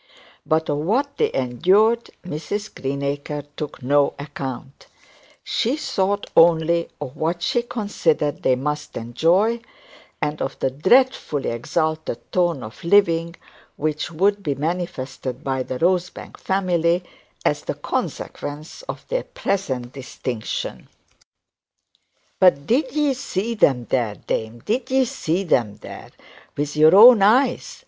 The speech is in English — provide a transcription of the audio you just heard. But of what they endured Mrs Greenacre took no account; she thought only of what she considered they must enjoy, and of the dreadfully exalted tone of living which would be manifested by the Rosebank family, as the consequence of their present distinction. 'But did 'ee zee 'em there, dame, did 'ee zee 'em then with your own eyes?'